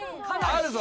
あるぞ。